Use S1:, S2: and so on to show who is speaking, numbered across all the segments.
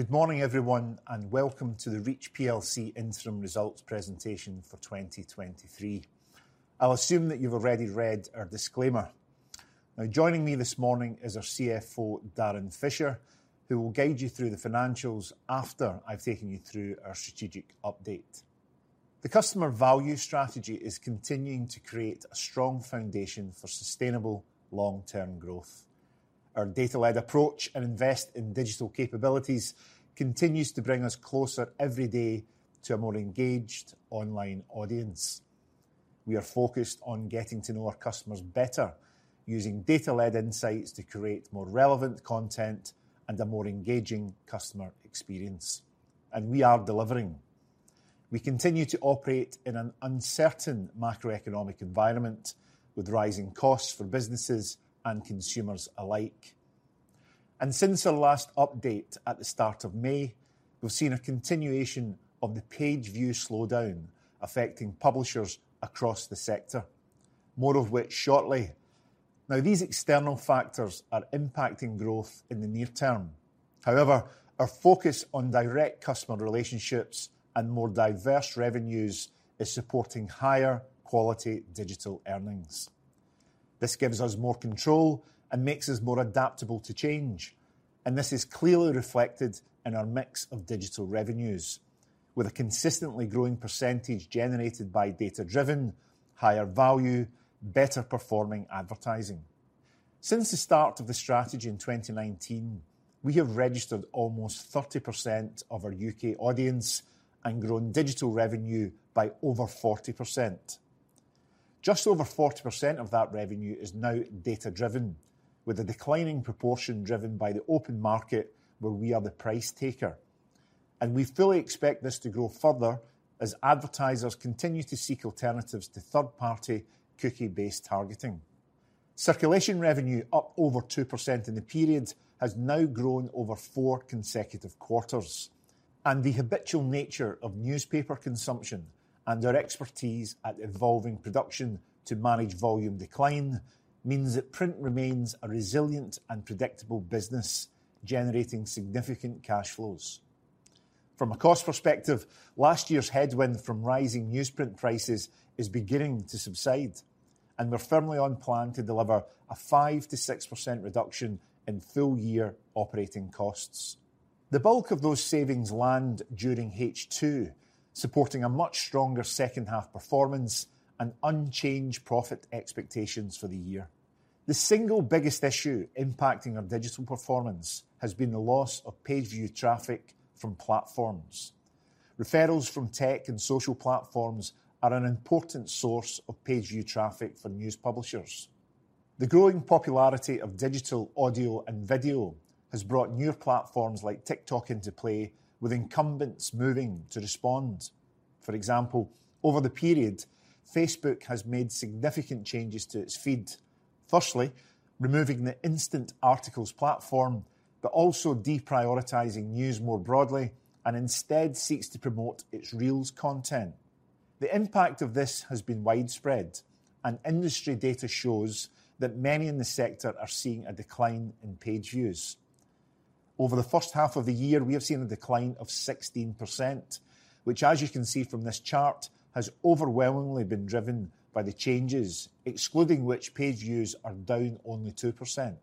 S1: Good morning, everyone, and welcome to the Reach plc interim results presentation for 2023. I'll assume that you've already read our disclaimer. Now, joining me this morning is our CFO, Darren Fisher, who will guide you through the financials after I've taken you through our strategic update. The Customer Value Strategy is continuing to create a strong foundation for sustainable long-term growth. Our data-led approach and invest in digital capabilities continues to bring us closer every day to a more engaged online audience. We are focused on getting to know our customers better, using data-led insights to create more relevant content and a more engaging customer experience, and we are delivering. We continue to operate in an uncertain macroeconomic environment, with rising costs for businesses and consumers alike. Since our last update at the start of May, we've seen a continuation of the page view slowdown affecting publishers across the sector, more of which shortly. These external factors are impacting growth in the near term. However, our focus on direct customer relationships and more diverse revenues is supporting higher quality digital earnings. This gives us more control and makes us more adaptable to change. This is clearly reflected in our mix of digital revenues, with a consistently growing percentage generated by data-driven, higher value, better performing advertising. Since the start of the strategy in 2019, we have registered almost 30% of our U.K. audience and grown digital revenue by over 40%. Just over 40% of that revenue is now data-driven, with a declining proportion driven by the open market, where we are the price taker. We fully expect this to grow further as advertisers continue to seek alternatives to third-party cookie-based targeting. Circulation revenue, up over 2% in the period, has now grown over four consecutive quarters. The habitual nature of newspaper consumption and our expertise at evolving production to manage volume decline means that print remains a resilient and predictable business, generating significant cash flows. From a cost perspective, last year's headwind from rising newsprint prices is beginning to subside. We're firmly on plan to deliver a 5%-6% reduction in full year operating costs. The bulk of those savings land during H2, supporting a much stronger second half performance and unchanged profit expectations for the year. The single biggest issue impacting our digital performance has been the loss of page view traffic from platforms. Referrals from tech and social platforms are an important source of page view traffic for news publishers. The growing popularity of digital audio and video has brought newer platforms like TikTok into play, with incumbents moving to respond. For example, over the period, Facebook has made significant changes to its feed, firstly, removing the Instant Articles platform, but also deprioritizing news more broadly and instead seeks to promote its Reels content. The impact of this has been widespread, and industry data shows that many in the sector are seeing a decline in page views. Over the first half of the year, we have seen a decline of 16%, which, as you can see from this chart, has overwhelmingly been driven by the changes, excluding which page views are down only 2%.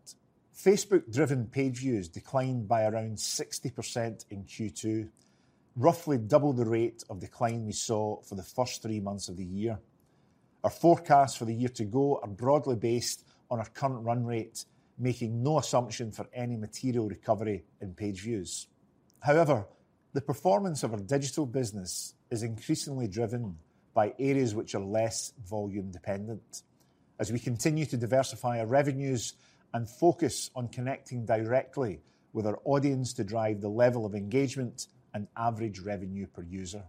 S1: Facebook-driven page views declined by around 60% in Q2, roughly double the rate of decline we saw for the first three months of the year. Our forecasts for the year to go are broadly based on our current run rate, making no assumption for any material recovery in page views. The performance of our digital business is increasingly driven by areas which are less volume dependent as we continue to diversify our revenues and focus on connecting directly with our audience to drive the level of engagement and average revenue per user.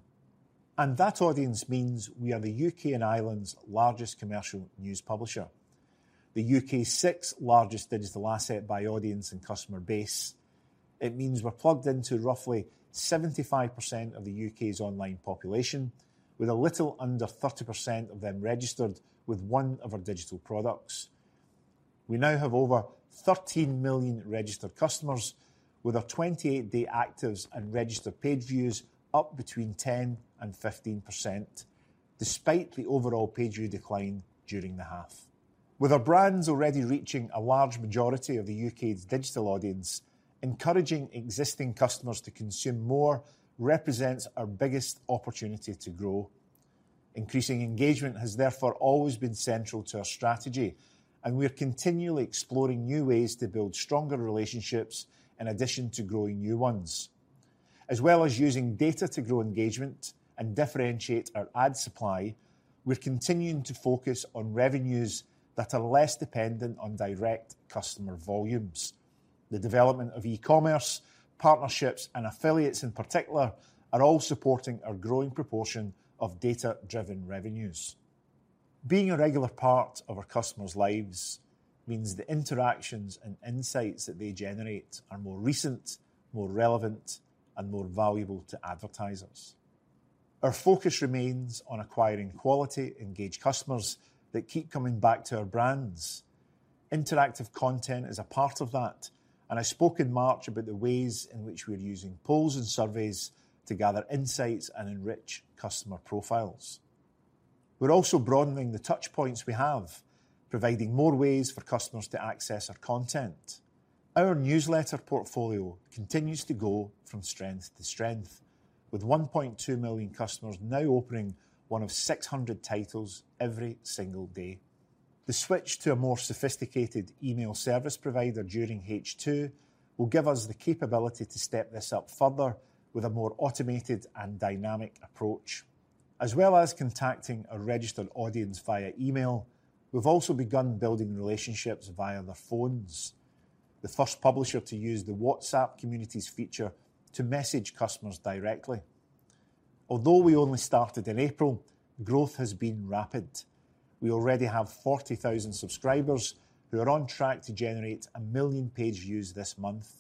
S1: That audience means we are the U.K. and Ireland's largest commercial news publisher, the U.K.'s sixth largest digital asset by audience and customer base. It means we're plugged into roughly 75% of the U.K.'s online population, with a little under 30% of them registered with one of our digital products. We now have over 13 million registered customers, with our 28-day actives and registered page views up between 10% and 15%, despite the overall page view decline during the half. With our brands already reaching a large majority of the U.K.'s digital audience, encouraging existing customers to consume more represents our biggest opportunity to grow. Increasing engagement has therefore always been central to our strategy, and we are continually exploring new ways to build stronger relationships in addition to growing new ones. As well as using data to grow engagement and differentiate our ad supply, we're continuing to focus on revenues that are less dependent on direct customer volumes. The development of e-commerce, partnerships, and affiliates in particular, are all supporting our growing proportion of data-driven revenues. Being a regular part of our customers' lives means the interactions and insights that they generate are more recent, more relevant, and more valuable to advertisers. Our focus remains on acquiring quality, engaged customers that keep coming back to our brands. Interactive content is a part of that, and I spoke in March about the ways in which we are using polls and surveys to gather insights and enrich customer profiles. We're also broadening the touchpoints we have, providing more ways for customers to access our content. Our newsletter portfolio continues to go from strength to strength, with 1.2 million customers now opening one of 600 titles every single day. The switch to a more sophisticated email service provider during H2 will give us the capability to step this up further with a more automated and dynamic approach. As well as contacting a registered audience via email, we've also begun building relationships via their phones. The first publisher to use the WhatsApp Communities feature to message customers directly. Although we only started in April, growth has been rapid. We already have 40,000 subscribers who are on track to generate 1 million page views this month.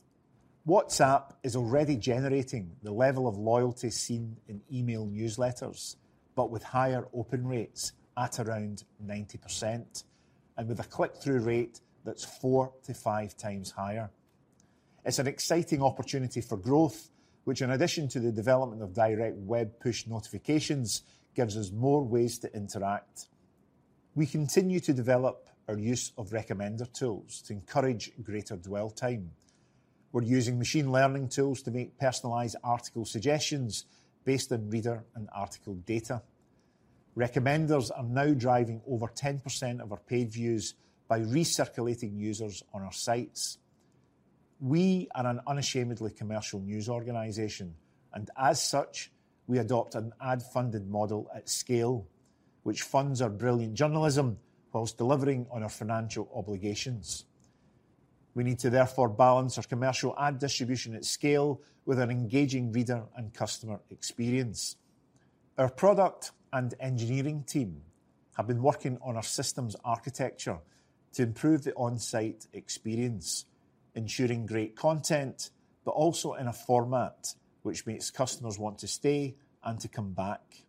S1: WhatsApp is already generating the level of loyalty seen in email newsletters, but with higher open rates at around 90%, and with a click-through rate that's 4-5 times higher. It's an exciting opportunity for growth, which, in addition to the development of direct web push notifications, gives us more ways to interact. We continue to develop our use of recommender tools to encourage greater dwell time. We're using machine learning tools to make personalized article suggestions based on reader and article data. Recommenders are now driving over 10% of our page views by recirculating users on our sites. We are an unashamedly commercial news organization, and as such, we adopt an ad-funded model at scale, which funds our brilliant journalism while delivering on our financial obligations. We need to therefore balance our commercial ad distribution at scale with an engaging reader and customer experience. Our product and engineering team have been working on our systems architecture to improve the on-site experience, ensuring great content, also in a format which makes customers want to stay and to come back.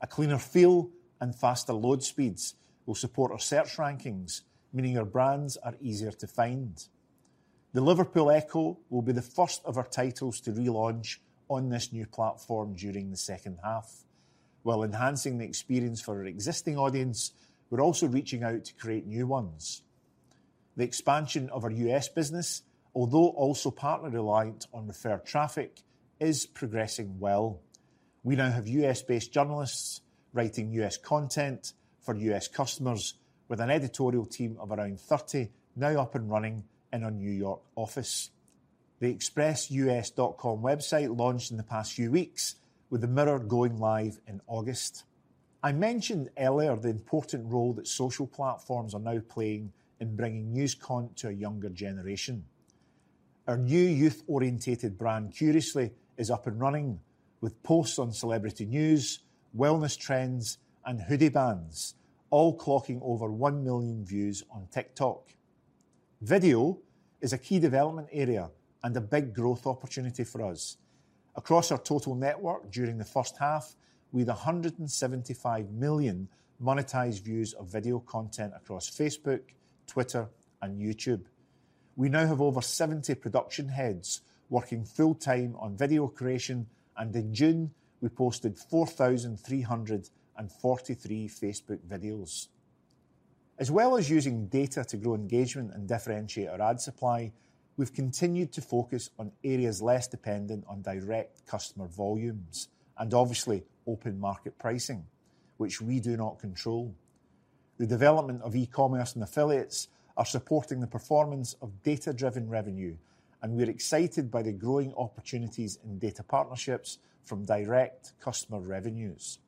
S1: A cleaner feel and faster load speeds will support our search rankings, meaning our brands are easier to find. The Liverpool Echo will be the first of our titles to relaunch on this new platform during the second half. While enhancing the experience for our existing audience, we're also reaching out to create new ones. The expansion of our U.S. business, although also partly reliant on referred traffic, is progressing well. We now have U.S.-based journalists writing U.S. content for U.S. customers with an editorial team of around 30 now up and running in our New York office. The-express.com website launched in the past few weeks, with The Mirror going live in August. I mentioned earlier the important role that social platforms are now playing in bringing news content to a younger generation. Our new youth-orientated brand, Curiously, is up and running with posts on celebrity news, wellness trends, and hoodie bands, all clocking over 1 million views on TikTok. Video is a key development area and a big growth opportunity for us. Across our total network during the first half, we had 175 million monetized views of video content across Facebook, Twitter, and YouTube. We now have over 70 production heads working full time on video creation, and in June, we posted 4,343 Facebook videos. As well as using data to grow engagement and differentiate our ad supply, we've continued to focus on areas less dependent on direct customer volumes and obviously open market pricing, which we do not control. The development of e-commerce and affiliates are supporting the performance of data-driven revenue. We're excited by the growing opportunities in data partnerships from direct customer revenues.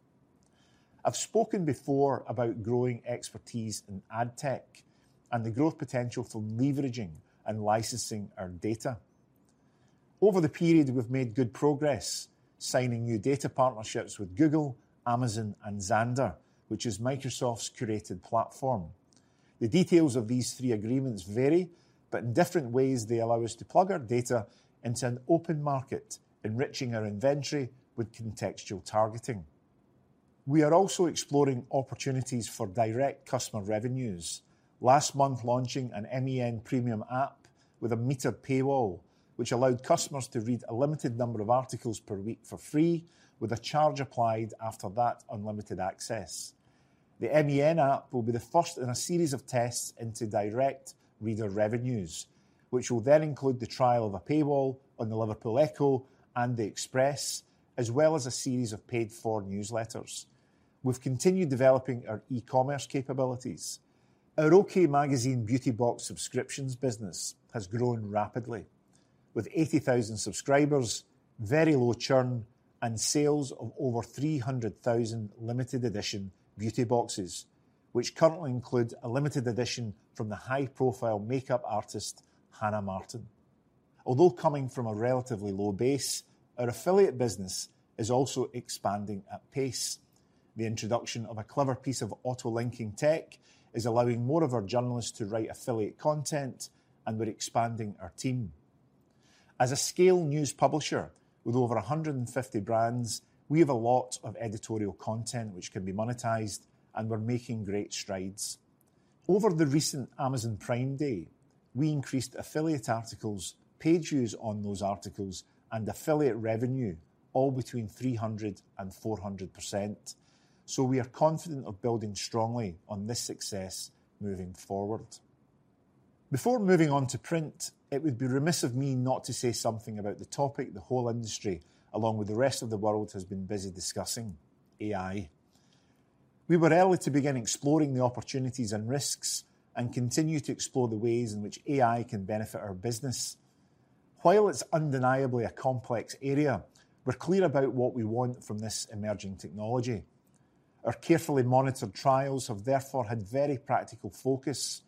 S1: I've spoken before about growing expertise in ad tech and the growth potential for leveraging and licensing our data. Over the period, we've made good progress, signing new data partnerships with Google, Amazon, and Xandr, which is Microsoft's curated platform. The details of these three agreements vary. In different ways, they allow us to plug our data into an open market, enriching our inventory with contextual targeting. We are also exploring opportunities for direct customer revenues. Last month, launching an MEN premium app with a metered paywall, which allowed customers to read a limited number of articles per week for free, with a charge applied after that unlimited access. The MEN app will be the first in a series of tests into direct reader revenues, which will then include the trial of a paywall on the Liverpool Echo and The Express, as well as a series of paid-for newsletters. We've continued developing our e-commerce capabilities. Our OK! beauty box subscriptions business has grown rapidly, with 80,000 subscribers, very low churn, and sales of over 300,000 limited edition beauty boxes, which currently include a limited edition from the high-profile makeup artist, Hannah Martin. Although coming from a relatively low base, our affiliate business is also expanding at pace. The introduction of a clever piece of auto-linking tech is allowing more of our journalists to write affiliate content. We're expanding our team. As a scale news publisher with over 150 brands, we have a lot of editorial content which can be monetized. We're making great strides. Over the recent Amazon Prime Day, we increased affiliate articles, page views on those articles, and affiliate revenue, all between 300% and 400%. We are confident of building strongly on this success moving forward. Before moving on to print, it would be remiss of me not to say something about the topic the whole industry, along with the rest of the world, has been busy discussing: AI. We were early to begin exploring the opportunities and risks. We continue to explore the ways in which AI can benefit our business. While it's undeniably a complex area, we're clear about what we want from this emerging technology. Our carefully monitored trials have therefore had very practical focus.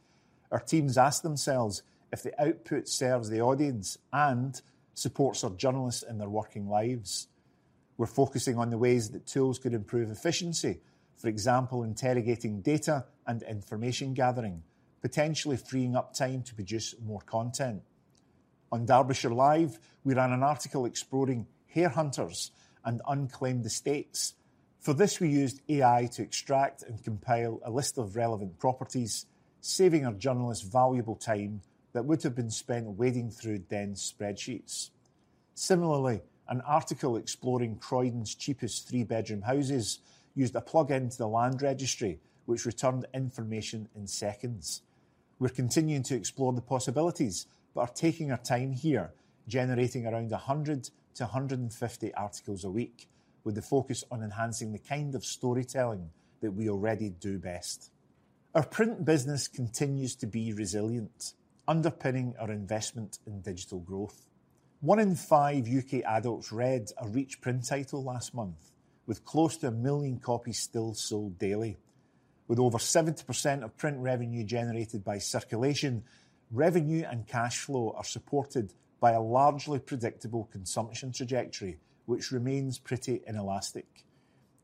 S1: Our teams ask themselves if the output serves the audience and supports our journalists in their working lives. We're focusing on the ways that tools could improve efficiency, for example, interrogating data and information gathering, potentially freeing up time to produce more content. On Derbyshire Live, we ran an article exploring heir hunters and unclaimed estates. For this, we used AI to extract and compile a list of relevant properties, saving our journalists valuable time that would have been spent wading through dense spreadsheets. Similarly, an article exploring Croydon's cheapest three-bedroom houses used a plugin to the Land Registry, which returned information in seconds. We're continuing to explore the possibilities but are taking our time here, generating around 100-150 articles a week, with the focus on enhancing the kind of storytelling that we already do best. Our print business continues to be resilient, underpinning our investment in digital growth. one in five U.K. adults read a Reach print title last month, with close to 1 million copies still sold daily. With over 70% of print revenue generated by circulation, revenue and cash flow are supported by a largely predictable consumption trajectory, which remains pretty inelastic.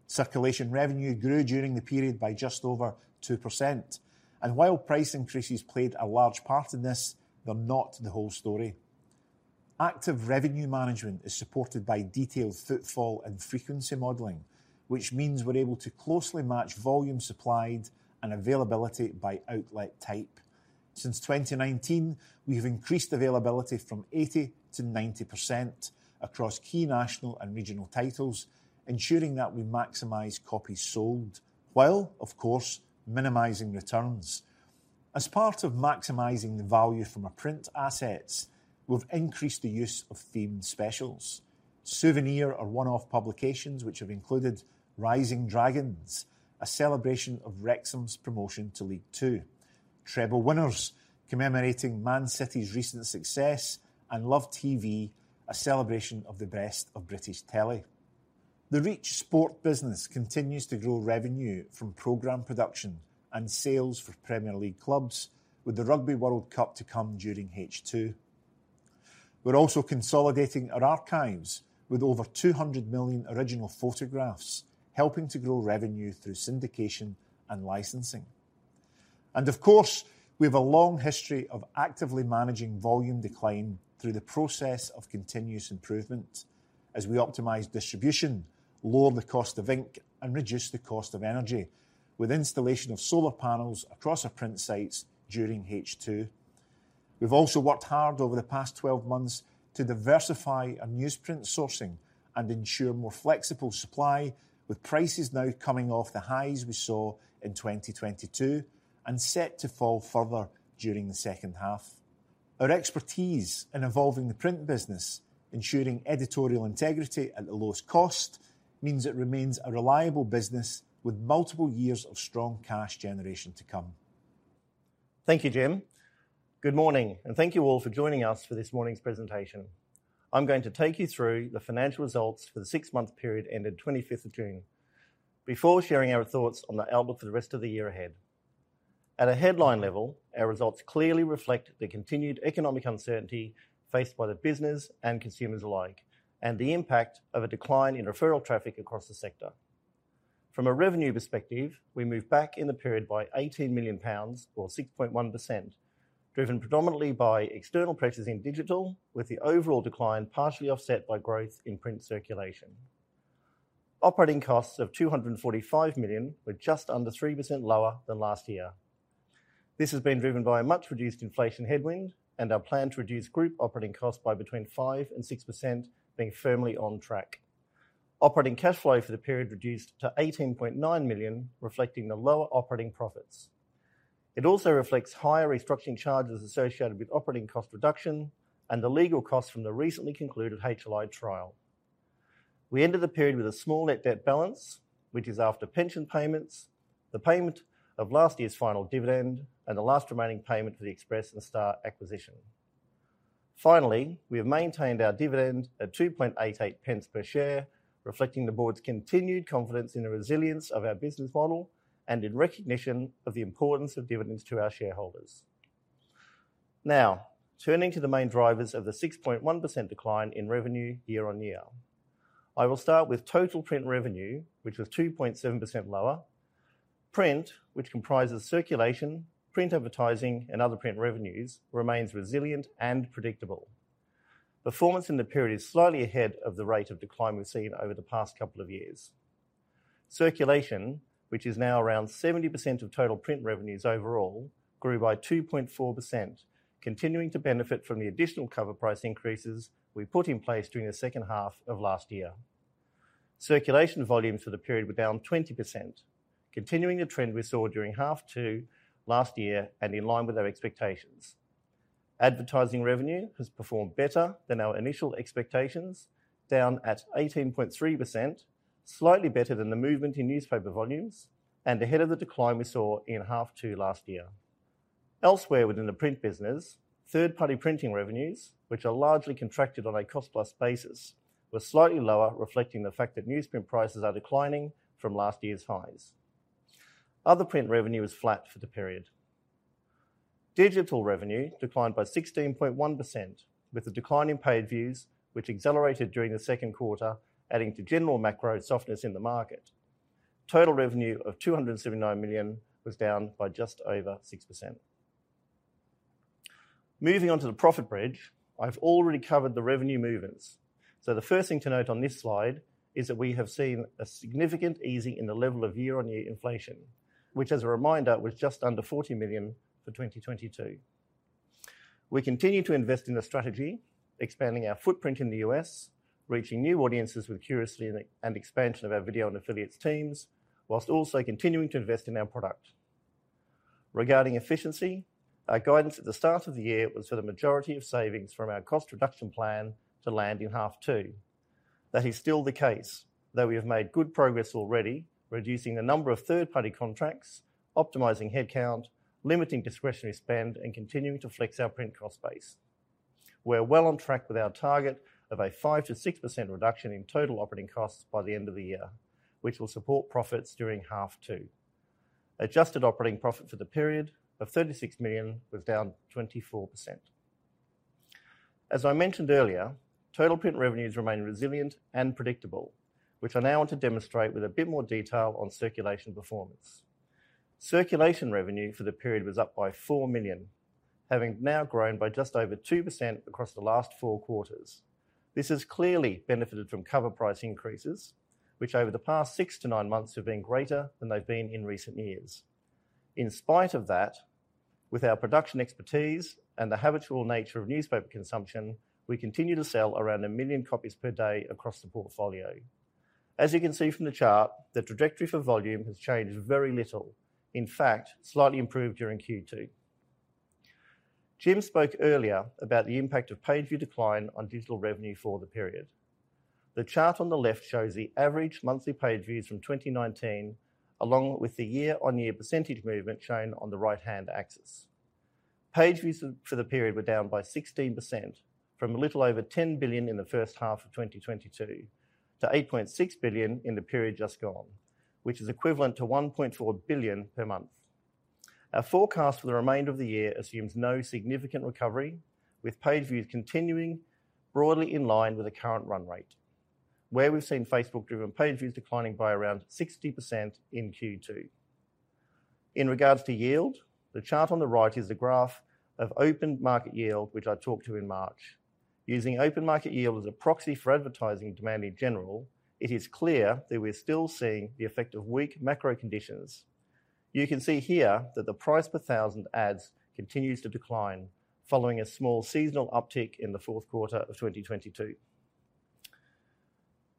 S1: Circulation revenue grew during the period by just over 2%, and while price increases played a large part in this, they're not the whole story. Active revenue management is supported by detailed footfall and frequency modeling, which means we're able to closely match volume supplied and availability by outlet type. Since 2019, we've increased availability from 80%-90% across key national and regional titles, ensuring that we maximize copies sold, while, of course, minimizing returns. As part of maximizing the value from our print assets, we've increased the use of themed specials, souvenir or one-off publications, which have included Rising Dragons, a celebration of Wrexham's promotion to League Two, Treble Winners, commemorating Man City's recent success, and Love TV, a celebration of the best of British telly. The Reach Sport business continues to grow revenue from program production and sales for Premier League clubs, with the Rugby World Cup to come during H2. We're also consolidating our archives with over 200 million original photographs, helping to grow revenue through syndication and licensing. Of course, we have a long history of actively managing volume decline through the process of continuous improvement as we optimize distribution, lower the cost of ink, and reduce the cost of energy, with installation of solar panels across our print sites during H2. We've also worked hard over the past 12 months to diversify our newsprint sourcing and ensure more flexible supply, with prices now coming off the highs we saw in 2022 and set to fall further during the second half. Our expertise in evolving the print business, ensuring editorial integrity at the lowest cost, means it remains a reliable business with multiple years of strong cash generation to come.
S2: Thank you, Jim. Good morning, thank you all for joining us for this morning's presentation. I'm going to take you through the financial results for the 6-month period ended 25th of June, before sharing our thoughts on the outlook for the rest of the year ahead. At a headline level, our results clearly reflect the continued economic uncertainty faced by the business and consumers alike, and the impact of a decline in referral traffic across the sector. From a revenue perspective, we moved back in the period by 18 million pounds, or 6.1%, driven predominantly by external pressures in digital, with the overall decline partially offset by growth in print circulation. Operating costs of 245 million were just under 3% lower than last year. This has been driven by a much-reduced inflation headwind and our plan to reduce group operating costs by between 5% and 6% being firmly on track. Operating cash flow for the period reduced to 18.9 million, reflecting the lower operating profits. It also reflects higher restructuring charges associated with operating cost reduction and the legal costs from the recently concluded HLI trial. We ended the period with a small net debt balance, which is after pension payments, the payment of last year's final dividend, and the last remaining payment for the Express and Star acquisition. We have maintained our dividend at 2.88 pence per share, reflecting the board's continued confidence in the resilience of our business model and in recognition of the importance of dividends to our shareholders. Now, turning to the main drivers of the 6.1% decline in revenue year-on-year. I will start with total print revenue, which was 2.7% lower. Print, which comprises circulation, print advertising, and other print revenues, remains resilient and predictable. Performance in the period is slightly ahead of the rate of decline we've seen over the past couple of years. Circulation, which is now around 70% of total print revenues overall, grew by 2.4%, continuing to benefit from the additional cover price increases we put in place during the second half of last year. Circulation volumes for the period were down 20%, continuing the trend we saw during half two last year and in line with our expectations. Advertising revenue has performed better than our initial expectations, down at 18.3%, slightly better than the movement in newspaper volumes and ahead of the decline we saw in half two last year. Elsewhere within the print business, third-party printing revenues, which are largely contracted on a cost-plus basis, were slightly lower, reflecting the fact that newsprint prices are declining from last year's highs. Other print revenue is flat for the period. Digital revenue declined by 16.1%, with the decline in paid views, which accelerated during the second quarter, adding to general macro softness in the market. Total revenue of 279 million was down by just over 6%. Moving on to the profit bridge, I've already covered the revenue movements. The first thing to note on this slide is that we have seen a significant easing in the level of year-over-year inflation, which, as a reminder, was just under 40 million for 2022. We continue to invest in the strategy, expanding our footprint in the U.S., reaching new audiences with Curiously and expansion of our video and affiliates teams, while also continuing to invest in our product. Regarding efficiency, our guidance at the start of the year was for the majority of savings from our cost reduction plan to land in half two. That is still the case, though we have made good progress already, reducing the number of third-party contracts, optimizing headcount, limiting discretionary spend, and continuing to flex our print cost base. We're well on track with our target of a 5%-6% reduction in total operating costs by the end of the year, which will support profits during half two. Adjusted operating profit for the period of 36 million was down 24%. As I mentioned earlier, total print revenues remain resilient and predictable, which I now want to demonstrate with a bit more detail on circulation performance. Circulation revenue for the period was up by 4 million, having now grown by just over 2% across the last four quarters. This has clearly benefited from cover price increases, which over the past six-nine months have been greater than they've been in recent years. In spite of that, with our production expertise and the habitual nature of newspaper consumption, we continue to sell around 1 million copies per day across the portfolio. As you can see from the chart, the trajectory for volume has changed very little, in fact, slightly improved during Q2. Jim spoke earlier about the impact of page view decline on digital revenue for the period. The chart on the left shows the average monthly page views from 2019, along with the year-on-year percentage movement shown on the right-hand axis. Page views for the period were down by 16%, from a little over 10 billion in the first half of 2022 to 8.6 billion in the period just gone, which is equivalent to 1.4 billion per month. Our forecast for the remainder of the year assumes no significant recovery, with page views continuing broadly in line with the current run rate, where we've seen Facebook-driven page views declining by around 60% in Q2. In regards to yield, the chart on the right is a graph of open market yield, which I talked to in March. Using open market yield as a proxy for advertising demand in general, it is clear that we're still seeing the effect of weak macro conditions. You can see here that the price per thousand ads continues to decline following a small seasonal uptick in the fourth quarter of 2022.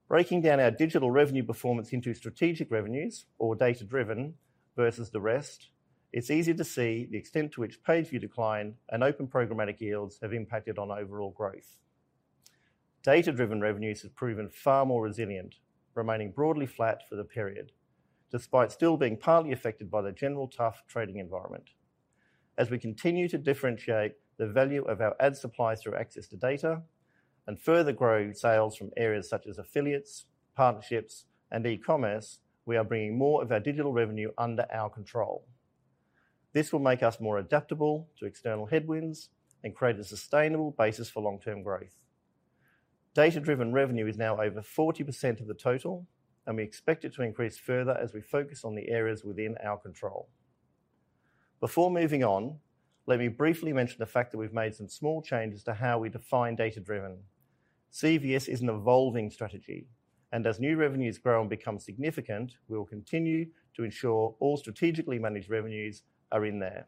S2: Breaking down our digital revenue performance into strategic revenues or data-driven versus the rest, it's easy to see the extent to which page view decline and open programmatic yields have impacted on overall growth. Data-driven revenues have proven far more resilient, remaining broadly flat for the period, despite still being partly affected by the general tough trading environment. As we continue to differentiate the value of our ad supply through access to data and further growing sales from areas such as affiliates, partnerships, and e-commerce, we are bringing more of our digital revenue under our control. This will make us more adaptable to external headwinds and create a sustainable basis for long-term growth. Data-driven revenue is now over 40% of the total, and we expect it to increase further as we focus on the areas within our control. Before moving on, let me briefly mention the fact that we've made some small changes to how we define data-driven. CVS is an evolving strategy, and as new revenues grow and become significant, we will continue to ensure all strategically managed revenues are in there.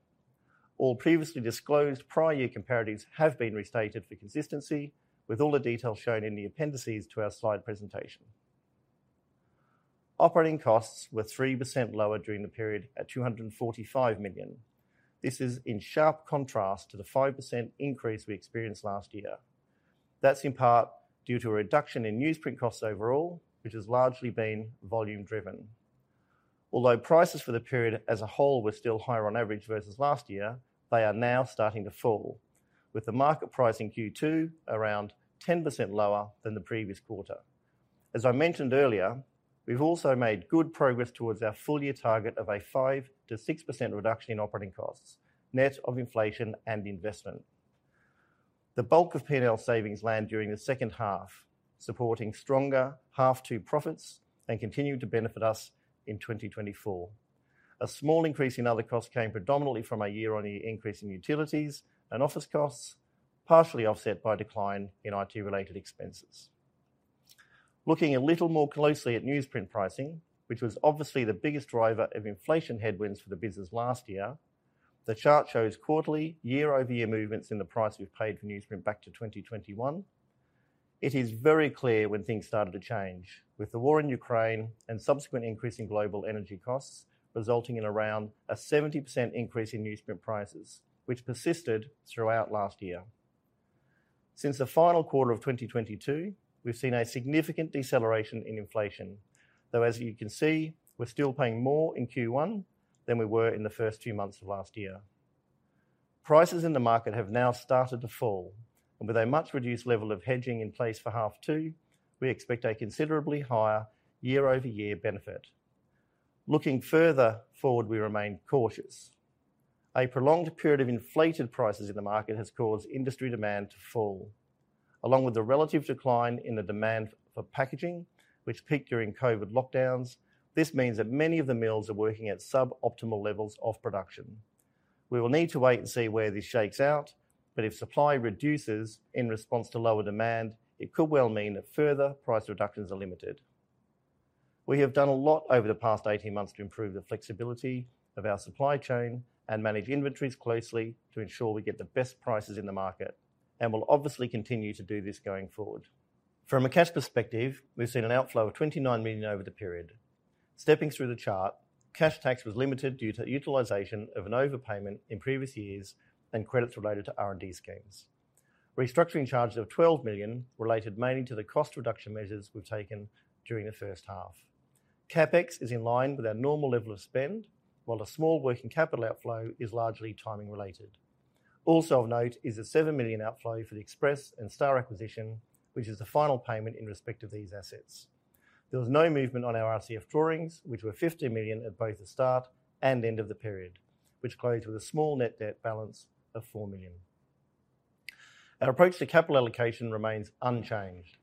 S2: All previously disclosed prior year comparatives have been restated for consistency, with all the details shown in the appendices to our slide presentation. Operating costs were 3% lower during the period, at 245 million. This is in sharp contrast to the 5% increase we experienced last year. That's in part due to a reduction in newsprint costs overall, which has largely been volume driven. Although prices for the period as a whole were still higher on average versus last year, they are now starting to fall, with the market price in Q2 around 10% lower than the previous quarter. As I mentioned earlier, we've also made good progress towards our full-year target of a 5%-6% reduction in operating costs, net of inflation and investment. The bulk of P&L savings land during the second half, supporting stronger half two profits and continued to benefit us in 2024. A small increase in other costs came predominantly from a year-on-year increase in utilities and office costs, partially offset by a decline in IT-related expenses. Looking a little more closely at newsprint pricing, which was obviously the biggest driver of inflation headwinds for the business last year, the chart shows quarterly year-over-year movements in the price we've paid for newsprint back to 2021. It is very clear when things started to change, with the war in Ukraine and subsequent increase in global energy costs resulting in around a 70% increase in newsprint prices, which persisted throughout last year. Since the final quarter of 2022, we've seen a significant deceleration in inflation, though, as you can see, we're still paying more in Q1 than we were in the first two months of last year. Prices in the market have now started to fall, and with a much-reduced level of hedging in place for half two, we expect a considerably higher year-over-year benefit. Looking further forward, we remain cautious. A prolonged period of inflated prices in the market has caused industry demand to fall, along with a relative decline in the demand for packaging, which peaked during COVID lockdowns. This means that many of the mills are working at suboptimal levels of production. We will need to wait and see where this shakes out, but if supply reduces in response to lower demand, it could well mean that further price reductions are limited. We have done a lot over the past 18 months to improve the flexibility of our supply chain and manage inventories closely to ensure we get the best prices in the market, and we'll obviously continue to do this going forward. From a cash perspective, we've seen an outflow of 29 million over the period. Stepping through the chart, cash tax was limited due to utilization of an overpayment in previous years and credits related to R&D schemes. Restructuring charges of 12 million related mainly to the cost reduction measures we've taken during the first half. CapEx is in line with our normal level of spend, while a small working capital outflow is largely timing-related. Also of note is a 7 million outflow for the Express and Star acquisition, which is the final payment in respect of these assets. There was no movement on our RCF drawings, which were 50 million at both the start and end of the period, which closed with a small net debt balance of 4 million. Our approach to capital allocation remains unchanged.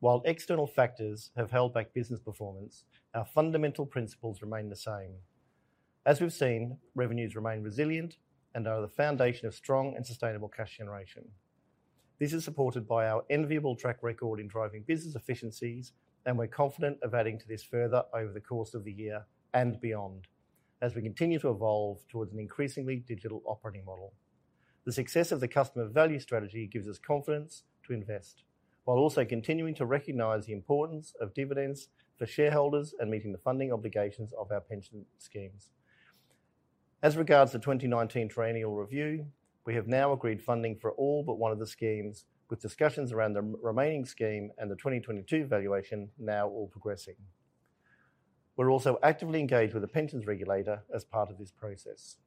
S2: While external factors have held back business performance, our fundamental principles remain the same. As we've seen, revenues remain resilient and are the foundation of strong and sustainable cash generation. This is supported by our enviable track record in driving business efficiencies, and we're confident of adding to this further over the course of the year and beyond as we continue to evolve towards an increasingly digital operating model. The success of the Customer Value Strategy gives us confidence to invest, while also continuing to recognize the importance of dividends for shareholders and meeting the funding obligations of our pension schemes. As regards the 2019 triennial review, we have now agreed funding for all but one of the schemes, with discussions around the remaining scheme and the 2022 valuation now all progressing. We're also actively engaged with The Pensions Regulator as part of this process.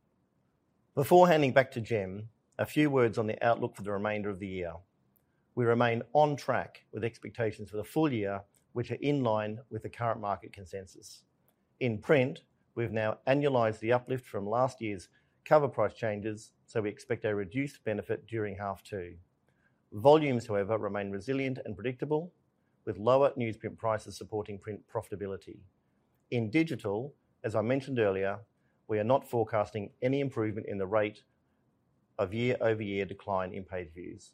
S2: Before handing back to Jim, a few words on the outlook for the remainder of the year. We remain on track with expectations for the full year, which are in line with the current market consensus. In print, we've now annualized the uplift from last year's cover price changes, so we expect a reduced benefit during half two. Volumes, however, remain resilient and predictable, with lower newsprint prices supporting print profitability. In digital, as I mentioned earlier, we are not forecasting any improvement in the rate of year-over-year decline in paid views.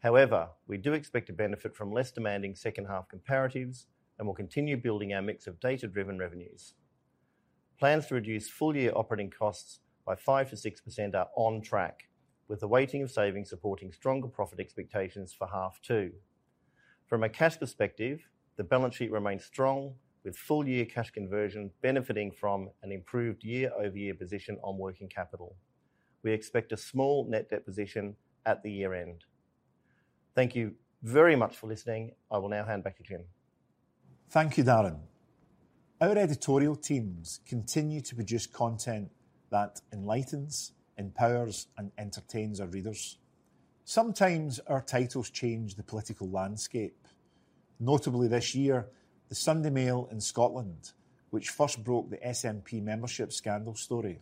S2: However, we do expect to benefit from less demanding second-half comparatives, and we'll continue building our mix of data-driven revenues. Plans to reduce full-year operating costs by 5%-6% are on track, with the weighting of savings supporting stronger profit expectations for half two. From a cash perspective, the balance sheet remains strong, with full-year cash conversion benefiting from an improved year-over-year position on working capital. We expect a small net debt position at the year-end. Thank you very much for listening. I will now hand back to Jim.
S1: Thank you, Darren. Our editorial teams continue to produce content that enlightens, empowers, and entertains our readers. Sometimes our titles change the political landscape. Notably this year, the Sunday Mail in Scotland, which first broke the SNP membership scandal story,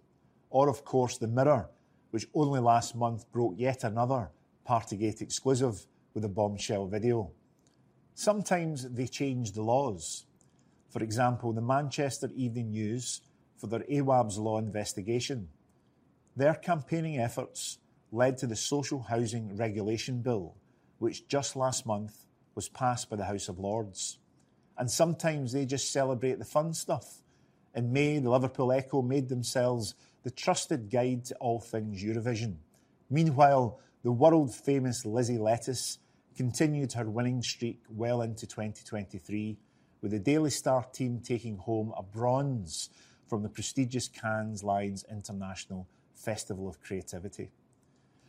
S1: or of course, The Mirror, which only last month broke yet another Partygate exclusive with a bombshell video. Sometimes they change the laws. For example, the Manchester Evening News for their Awaab's Law investigation. Their campaigning efforts led to the Social Housing Regulation Bill, which just last month was passed by the House of Lords. Sometimes they just celebrate the fun stuff. In May, the Liverpool Echo made themselves the trusted guide to all things Eurovision. Meanwhile, the world-famous Lizzie Lettuce continued her winning streak well into 2023, with the Daily Star team taking home a bronze from the prestigious Cannes Lions International Festival of Creativity.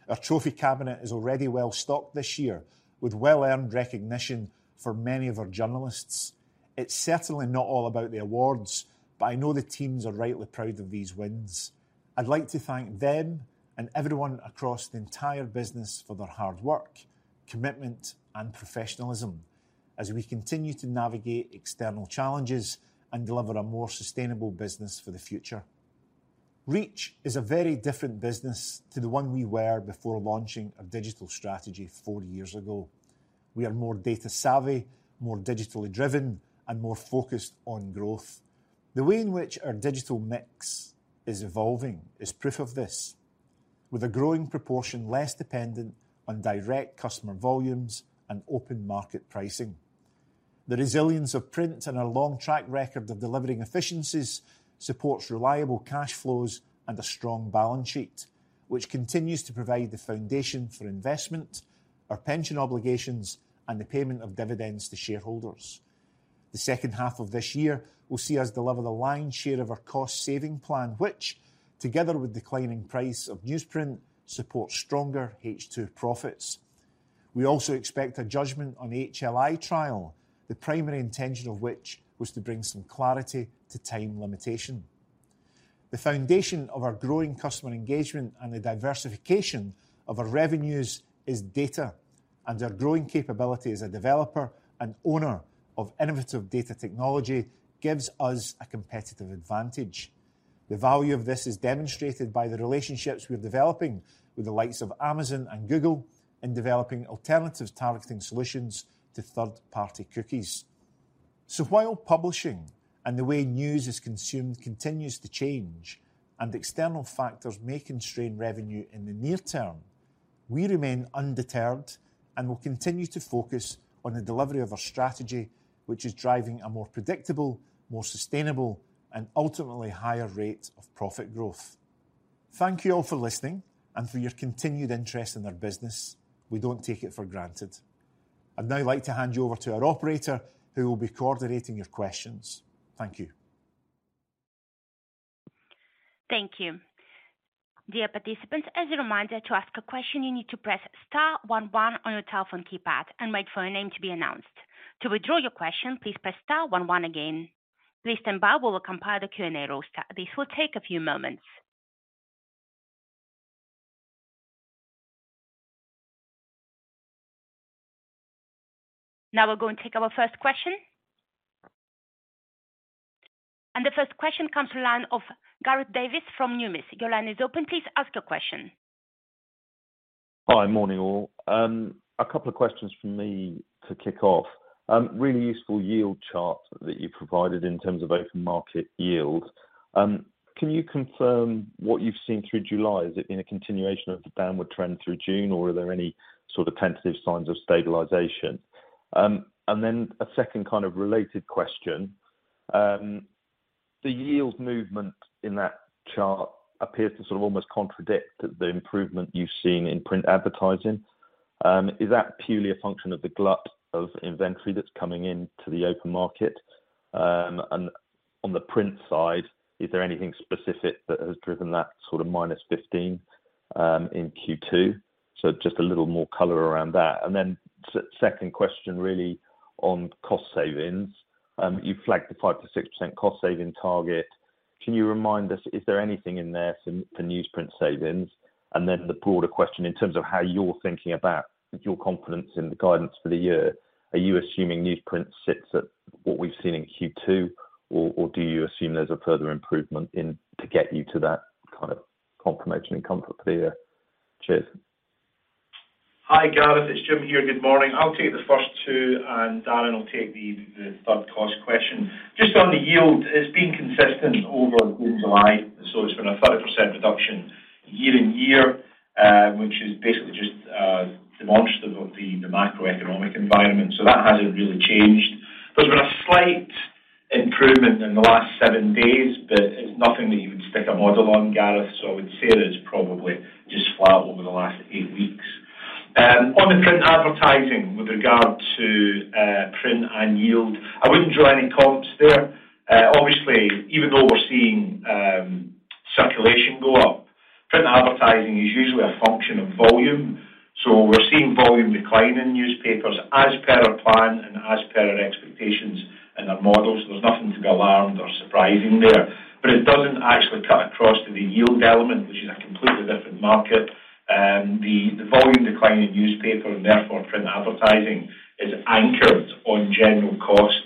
S1: Our trophy cabinet is already well stocked this year with well-earned recognition for many of our journalists. It's certainly not all about the awards, but I know the teams are rightly proud of these wins. I'd like to thank them and everyone across the entire business for their hard work, commitment, and professionalism as we continue to navigate external challenges and deliver a more sustainable business for the future. Reach is a very different business to the one we were before launching our digital strategy four years ago. We are more data savvy, more digitally driven, and more focused on growth. The way in which our digital mix is evolving is proof of this. With a growing proportion less dependent on direct customer volumes and open market pricing. The resilience of print and our long track record of delivering efficiencies supports reliable cash flows and a strong balance sheet, which continues to provide the foundation for investment, our pension obligations, and the payment of dividends to shareholders. The second half of this year will see us deliver the lion's share of our cost-saving plan, which, together with declining price of newsprint, supports stronger H2 profits. We also expect a judgment on the HLI trial, the primary intention of which was to bring some clarity to time limitation. The foundation of our growing customer engagement and the diversification of our revenues is data, and our growing capability as a developer and owner of innovative data technology gives us a competitive advantage. The value of this is demonstrated by the relationships we're developing with the likes of Amazon and Google, in developing alternative targeting solutions to third-party cookies. While publishing and the way news is consumed continues to change, and external factors may constrain revenue in the near term, we remain undeterred and will continue to focus on the delivery of our strategy, which is driving a more predictable, more sustainable, and ultimately higher rate of profit growth. Thank you all for listening and for your continued interest in our business. We don't take it for granted. I'd now like to hand you over to our operator, who will be coordinating your questions. Thank you.
S3: Thank you. Dear participants, as a reminder, to ask a question, you need to press star one one on your telephone keypad and wait for your name to be announced. To withdraw your question, please press star one one again. Please stand by, we will compile the Q&A roster. This will take a few moments. We'll go and take our first question. The first question comes to line of Gareth Davis from Numis. Your line is open. Please ask your question.
S4: Hi, morning, all. A couple of questions from me to kick off. Really useful yield chart that you provided in terms of open market yield. Can you confirm what you've seen through July? Is it been a continuation of the downward trend through June, or are there any sort of tentative signs of stabilization? A second kind of related question. The yield movement in that chart appears to sort of almost contradict the improvement you've seen in print advertising. Is that purely a function of the glut of inventory that's coming into the open market? On the print side, is there anything specific that has driven that sort of -15% in Q2? Just a little more color around that. Second question, really on cost savings. You flagged the 5%-6% cost saving target. Can you remind us, is there anything in there for newsprint savings? The broader question in terms of how you're thinking about your confidence in the guidance for the year. Are you assuming newsprint sits at what we've seen in Q2, or do you assume there's a further improvement in to get you to that kind of confirmation and comfort for the year? Cheers.
S1: Hi, Gareth. It's Jim here. Good morning. I'll take the first two, and Darren will take the third cost question. Just on the yield, it's been consistent over June, July, so it's been a 30% reduction year-on-year, which is basically just demonstrative of the macroeconomic environment. That hasn't really changed. There's been a slight improvement in the last seven days, but it's nothing that you would stick a model on, Gareth, so I would say that it's probably just flat over the last eight weeks. On the print advertising with regard to print and yield, I wouldn't draw any comps there. Obviously, even though we're seeing circulation go up, print advertising is usually a function of volume. We're seeing volume decline in newspapers as per our plan and as per our expectations in our models. There's nothing to be alarmed or surprising there. It doesn't actually cut across to the yield element, which is a completely different market. The volume decline in newspaper, and therefore, print advertising, is anchored on general costs,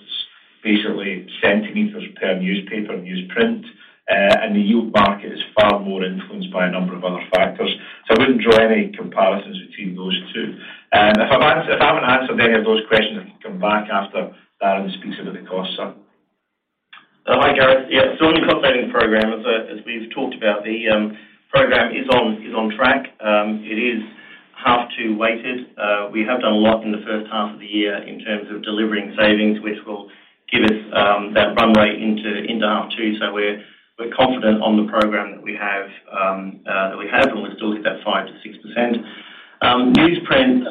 S1: basically centimeters per newspaper and newsprint. The yield market is far more influenced by a number of other factors. I wouldn't draw any comparisons between those two. If I haven't answered any of those questions, I can come back after Darren speaks about the costs, sir.
S2: Hi, Gareth. On the cost-saving program, as we've talked about, the program is on track. It is half two weighted. We have done a lot in the first half of the year in terms of delivering savings, which will give us that runway into half two. We're confident on the program that we have, and we'll still hit that 5%-6%. Newsprint,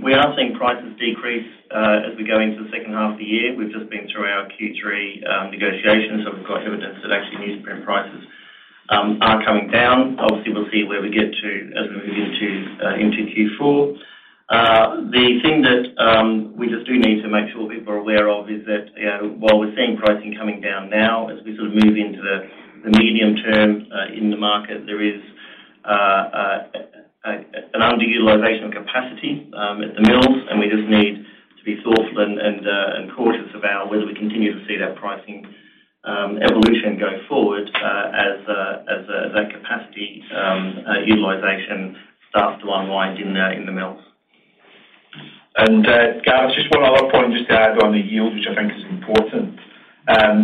S2: we are seeing prices decrease as we go into second half a year. We've just been through our Q3 negotiations, we've got evidence that actually newsprint prices are coming down. Obviously, we'll see where we get to as we move into Q4. The thing that we just do need to make sure people are aware of is that while we're seeing pricing coming down now, as we sort of move into the medium term, in the market, there is an underutilization of capacity at the mills, and we just need to be thoughtful and cautious about whether we continue to see that pricing evolution going forward, as that capacity utilization starts to unwind in the mills.
S1: Gavin, just one other point just to add on the yield, which I think is important.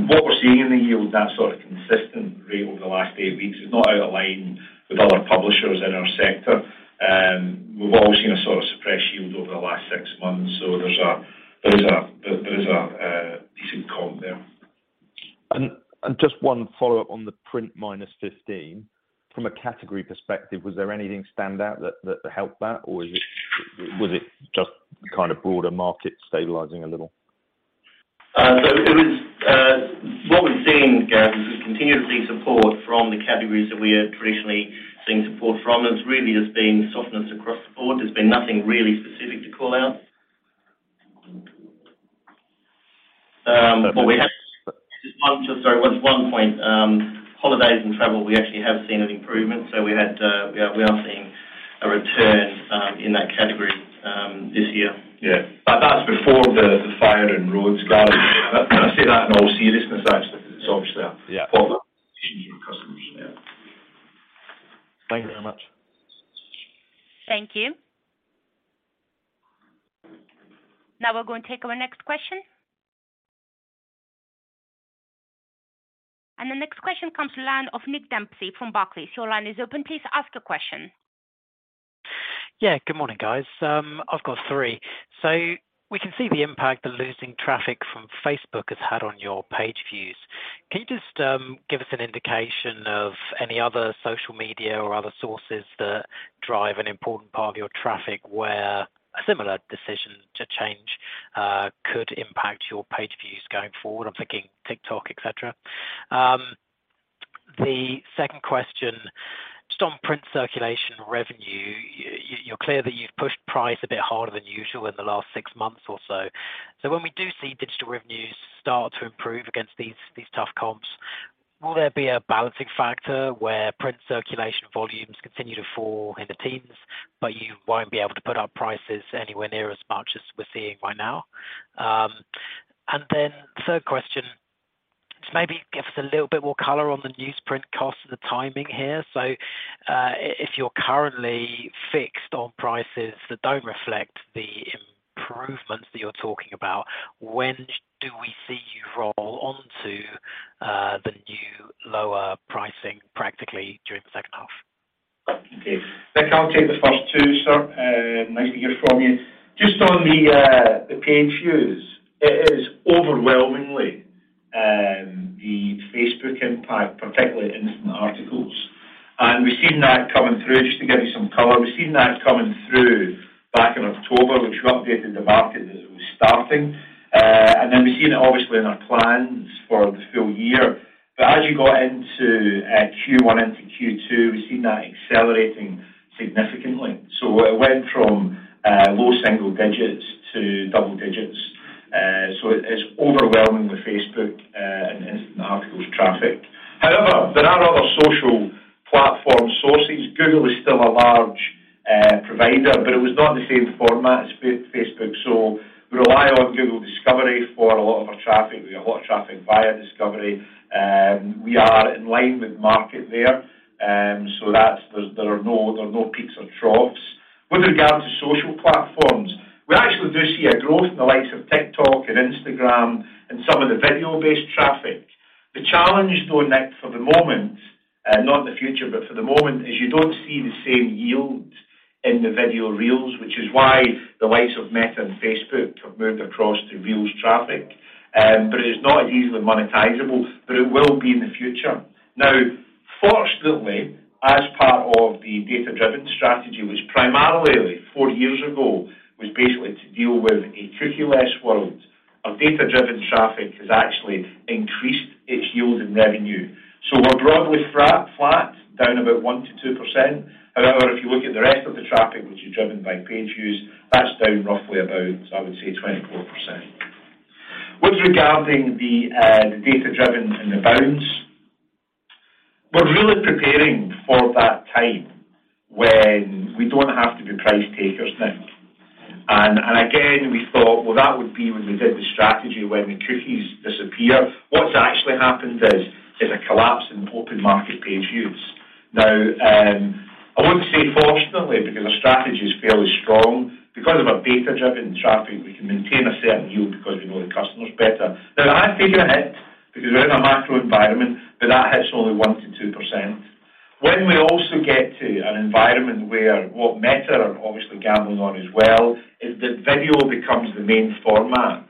S1: What we're seeing in the yield, that sort of consistent rate over the last 8 weeks, is not out of line with other publishers in our sector. We've all seen a sort of suppressed yield over the last six months, so there's a decent comp there.
S4: Just one follow-up on the print minus 15. From a category perspective, was there anything stand out that helped that, or was it just kind of broader market stabilizing a little?
S2: What we're seeing, Gavin, is we continue to see support from the categories that we are traditionally seeing support from. It's really just been softness across the board. There's been nothing really specific to call out. We have just one point. Holidays and travel, we actually have seen an improvement. We are seeing a return in that category this year.
S1: Yeah. That's before the fire and roads, Gavin. I say that, and I'll see this, but it's obviously a problem with customers. Yeah.
S4: Thank you very much.
S3: Thank you. Now we're going to take our next question. The next question comes the line of Nick Dempsey from Barclays. Your line is open. Please ask a question.
S5: Good morning, guys. I've got three. We can see the impact that losing traffic from Facebook has had on your page views. Can you just give us an indication of any other social media or other sources that drive an important part of your traffic, where a similar decision to change could impact your page views going forward? I'm thinking TikTok, etc.. The second question, just on print circulation revenue, you're clear that you've pushed price a bit harder than usual in the last 6 months or so. When we do see digital revenues start to improve against these tough comps, will there be a balancing factor where print circulation volumes continue to fall in the teens, but you won't be able to put up prices anywhere near as much as we're seeing right now? Third question, just maybe give us a little bit more color on the newsprint cost and the timing here. If you're currently fixed on prices that don't reflect the improvements that you're talking about, when do we see you roll on to the new lower pricing practically during the second half?
S1: Okay. Nick, I'll take the first two, sir. Nice to hear from you. Just on the page views, it is overwhelmingly the Facebook impact, particularly in Instant Articles. We've seen that coming through. Just to give you some color, we've seen that coming through back in October, which we updated the market as it was starting. We've seen it obviously in our plans for the full year. As you got into Q1 into Q2, we've seen that accelerating significantly. It went from low single digits to double digits. It's overwhelmingly Facebook and Instant Articles traffic. However, there are other social platform sources. Google is still a large provider, but it was not in the same format as Facebook. We rely on Google Discovery for a lot of our traffic. We get a lot of traffic via Discovery. We are in line with market there. That's, there are no peaks or troughs. With regard to social platforms, we actually do see a growth in the likes of TikTok and Instagram and some of the video-based traffic. The challenge, though, Nick, for the moment, not in the future, but for the moment, is you don't see the same yield in the video Reels, which is why the likes of Meta and Facebook have moved across to Reels traffic. It is not as easily monetizable, but it will be in the future. Fortunately, as part of the data-driven strategy, which primarily four years ago, was basically to deal with a cookie-less world, our data-driven traffic has actually increased its yield and revenue. We're roughly flat, down about 1%-2%. If you look at the rest of the traffic, which is driven by page views, that's down roughly about, I would say, 24%. With regarding the data-driven and the bounds, we're really preparing for that time when we don't have to be price takers, Nick. Again, we thought, well, that would be when we did the strategy, when the cookies disappear. What's actually happened is a collapse in open market page views. I would say fortunately, because our strategy is fairly strong, because of our data-driven traffic, we can maintain a certain yield because we know the customers better. I take a hit because we're in a macro environment, but that hits only 1%-2%. When we also get to an environment where what Meta are obviously gambling on as well, is that video becomes the main format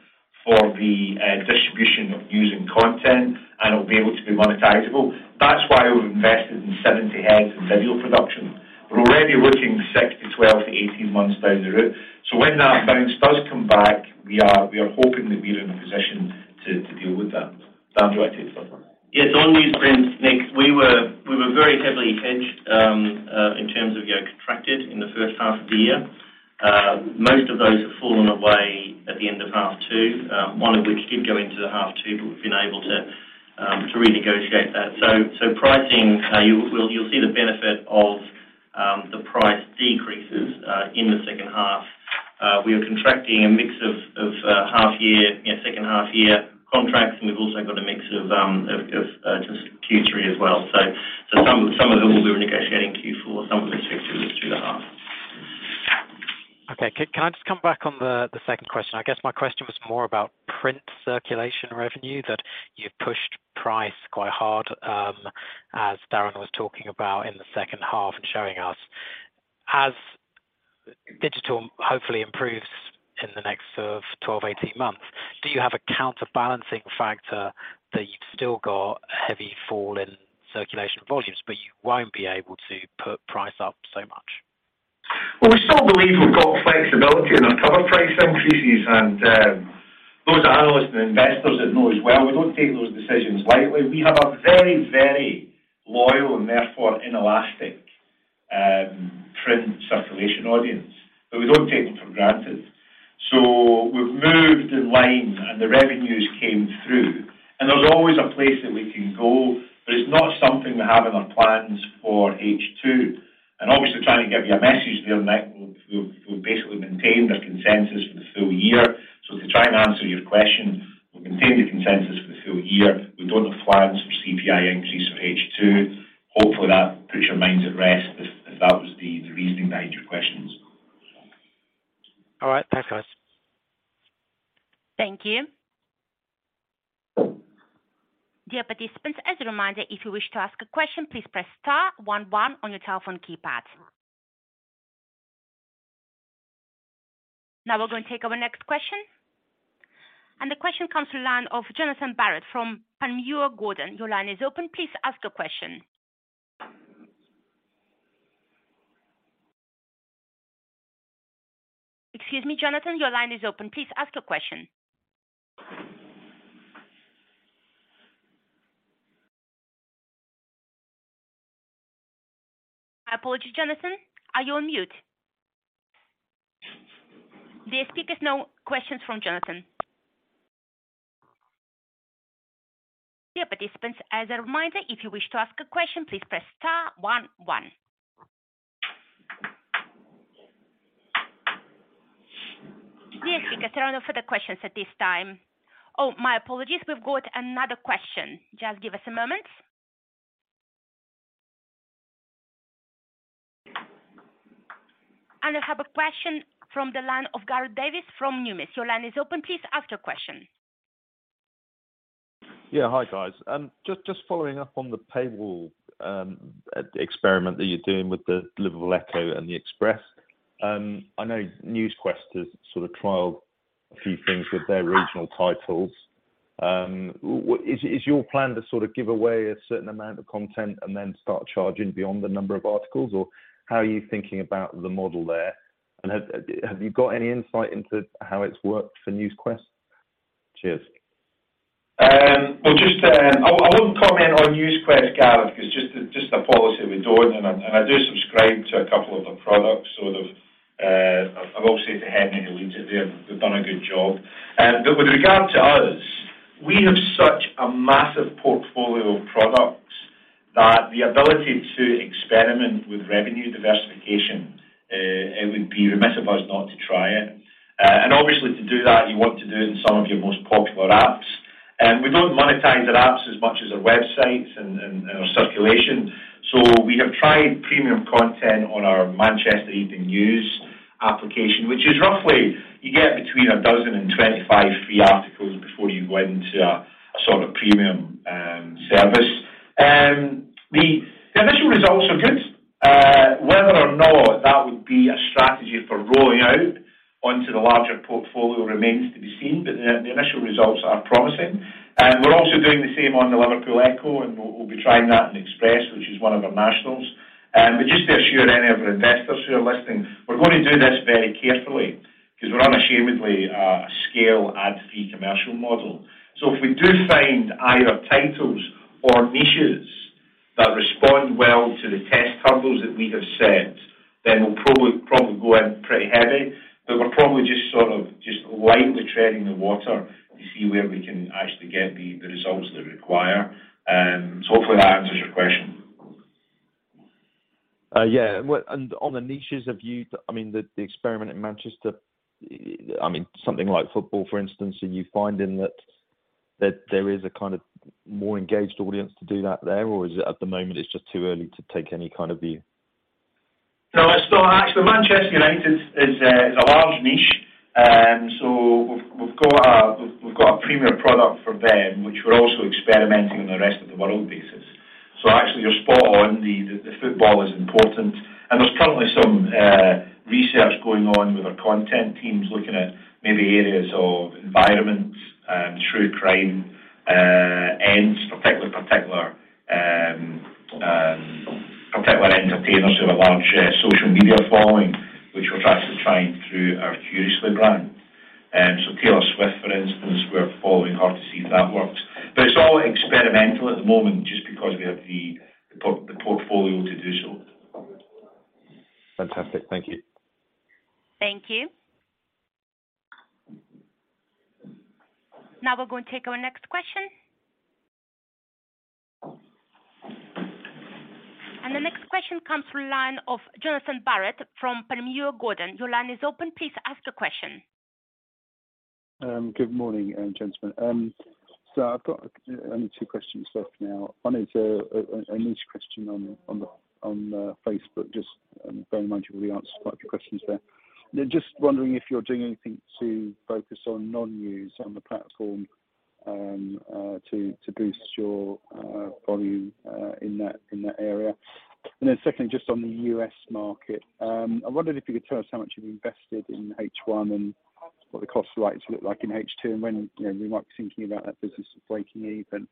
S1: for the distribution of news and content, and it'll be able to be monetizable. That's why we've invested in 70 heads in video production. We're already working six to 12 to 18 months down the route. When that bounce does come back, we are hoping that we're in a position to deal with that. Dan, do you want to take the third one?
S2: Yes, on newsprints, Nick, we were very heavily hedged in terms of getting contracted in the first half of the year. Most of those have fallen away at the end of half two, one of which did go into the half two, but we've been able to renegotiate that. Pricing, you will, you'll see the benefit of the price decreases in the second half. We are contracting a mix of half year, yeah, second half year contracts, and we've also got a mix of just Q3 as well. Some of them will be renegotiating in Q4, some of them strictly through the half.
S5: Okay, can I just come back on the second question? I guess my question was more about print circulation revenue, that you've pushed price quite hard, as Darren was talking about in the second half and showing us. As digital hopefully improves in the next sort of 12, 18 months, do you have a counterbalancing factor that you've still got a heavy fall in circulation volumes, but you won't be able to put price up so much?
S1: We still believe we've got flexibility in our cover price increases, and those analysts and investors that know us well, we don't take those decisions lightly. We have a very, very loyal and therefore inelastic print circulation audience, but we don't take it for granted. We've moved in line, and the revenues came through, and there's always a place that we can go, but it's not something we have in our plans for H2. Obviously, trying to give you a message there, Nick, we'll basically maintain their consensus for the full year. To try and answer your question, we'll maintain the consensus for the full year. We don't have plans for CPI increase for H2. Hopefully, that puts your mind at rest if that was the reasoning behind your questions.
S5: All right. Thanks, guys.
S3: Thank you. Dear participants, as a reminder, if you wish to ask a question, please press star one one on your telephone keypad. We're going to take our next question, and the question comes to the line of Jonathan Barrett from Panmure Gordon. Your line is open. Please ask your question. Excuse me, Jonathan, your line is open. Please ask your question. I apologize, Jonathan. Are you on mute? The speaker has no questions from Jonathan. Dear participants, as a reminder, if you wish to ask a question, please press star one one. There are no further questions at this time. My apologies. We've got another question. Just give us a moment. I have a question from the line of Gareth Davis from Numis. Your line is open. Please ask your question.
S4: Hi, guys. Just following up on the paywall experiment that you're doing with the Liverpool Echo and The Express. I know Newsquest has sort of trialed a few things with their regional titles. Is your plan to sort of give away a certain amount of content and then start charging beyond the number of articles, or how are you thinking about the model there? Have you got any insight into how it's worked for Newsquest? Cheers.
S1: I wouldn't comment on Newsquest, Gareth, because just the policy we're doing, and I do subscribe to two of their products. I've obviously to Henry, who leads it there, they've done a good job. With regard to us, we have such a massive portfolio of products that the ability to experiment with revenue diversification, it would be remiss of us not to try it. Obviously, to do that, you want to do it in some of your most popular apps. We don't monetize our apps as much as our websites and our circulation. We have tried premium content on our Manchester Evening News application, which is roughly you get between 12 and 25 free articles before you go into a sort of premium service. The initial results are good. Whether or not that would be a strategy for rolling out onto the larger portfolio remains to be seen, but the initial results are promising. We're also doing the same on the Liverpool Echo, and we'll be trying that in Express, which is one of our nationals. Just to assure any of our investors who are listening, we're going to do this very carefully because we're unashamedly a scale ad fee commercial model. If we do find either titles or niches that respond well to the test hurdles that we have set, then we'll probably go in pretty heavy. We're probably just sort of just lightly treading the water to see where we can actually get the results that require. Hopefully that answers your question.
S4: Yeah. Well, on the niches, I mean, the experiment in Manchester, I mean, something like football, for instance, are you finding that there is a kind of more engaged audience to do that there, or is it at the moment, it's just too early to take any kind of view?
S1: No, it's not. Actually, Manchester United is a large niche, we've got a premier product for them, which we're also experimenting on the rest of the world basis. Actually, you're spot on, the football is important, there's currently some research going on with our content teams looking at maybe areas of environment, true crime, and particular entertainers who have a large social media following, which we're actually trying through our Curiously brand. Taylor Swift, for instance, we're following her to see if that works. It's all experimental at the moment, just because we have the portfolio to do so.
S4: Fantastic. Thank you.
S3: Thank you. Now we're going to take our next question. The next question comes from the line of Jonathan Barrett from Panmure Gordon. Your line is open. Please ask your question.
S6: Good morning, gentlemen. I've got only two questions left now. One is a niche question on the on Facebook, just very much we answer quite a few questions there. Just wondering if you're doing anything to focus on non-news on the platform to boost your volume in that area? Secondly, just on the U.S. market, I wondered if you could tell us how much you've invested in H1 and what the cost rights look like in H2, and when, you know, we might be thinking about that business breaking even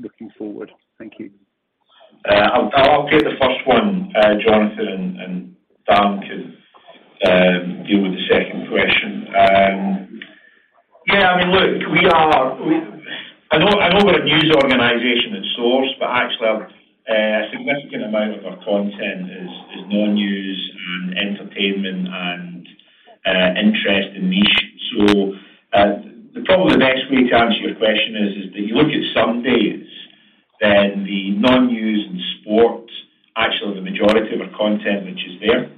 S6: looking forward. Thank you.
S1: I'll get the first one, Jonathan, and Dan can deal with the second question. Yeah, I mean, look, we... I know, I know we're a news organization at source, actually, a significant amount of our content is non-news and entertainment and interest and niche. Probably the best way to answer your question is that you look at Sundays, the non-news and sports, actually the majority of our content, which is there.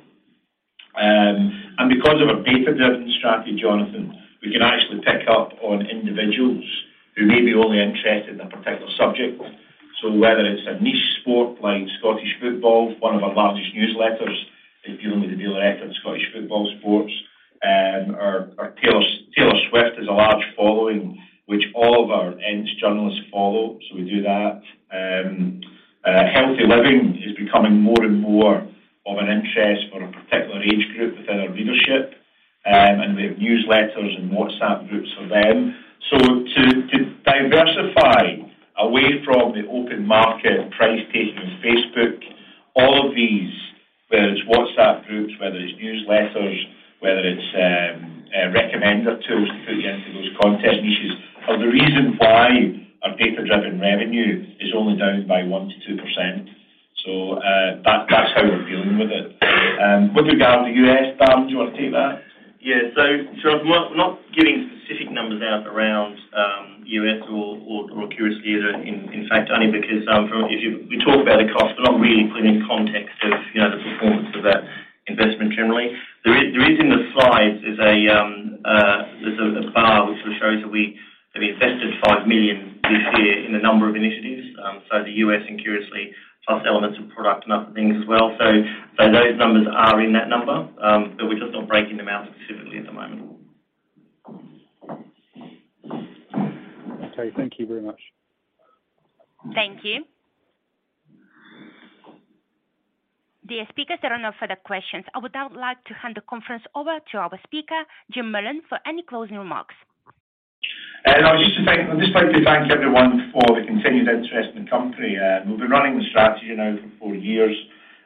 S1: Because of our data-driven strategy, Jonathan, we can actually pick up on individuals who may be only interested in a particular subject. Whether it's a niche sport like Scottish football, one of our largest newsletters is dealing with the Daily Record, Scottish football sports, or Taylor Swift has a large following, which all of our ends journalists follow, we do that. Healthy living is becoming more and more of an interest for a particular age group within our readership, and we have newsletters and WhatsApp groups for them. To, to diversify away from the open market, price taking on Facebook, all of these, whether it's WhatsApp groups, whether it's newsletters, whether it's a recommender tools to put you into those content niches, are the reason why our data-driven revenue is only down by 1%-2%. That's how we're dealing with it. With regard to U.S., Dan, do you want to take that?
S2: John, we're not giving specific numbers out around U.S. or Curiously, in fact, only because we talk about the cost, but not really put it in context of, you know, the performance of that investment generally. There is in the slides, there's a bar, which shows that we have invested 5 million this year in a number of initiatives, so the U.S. and Curiously, plus elements of product and other things as well. Those numbers are in that number, but we're just not breaking them out specifically at the moment.
S6: Okay. Thank you very much.
S3: Thank you. Dear speakers, there are no further questions. I would now like to hand the conference over to our speaker, Jim Mullen, for any closing remarks.
S1: I'd just like to thank everyone for the continued interest in the company. We've been running the strategy now for four years.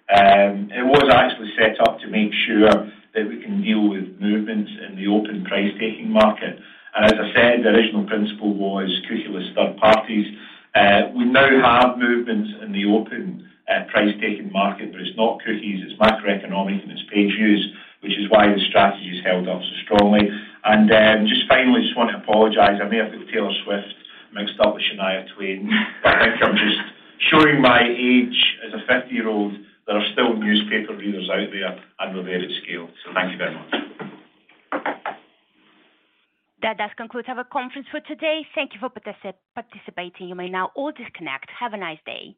S1: It was actually set up to make sure that we can deal with movements in the open price-taking market. As I said, the original principle was cookie-less third parties. We now have movements in the open price-taking market, but it's not cookies, it's macroeconomic and it's page views, which is why the strategy has held up so strongly. Just finally, just want to apologize. I may have got Taylor Swift mixed up with Shania Twain. I think I'm just showing my age as a 50-year-old. There are still newspaper readers out there, and we're there at scale. Thank you very much.
S3: That does conclude our conference for today. Thank you for participating. You may now all disconnect. Have a nice day.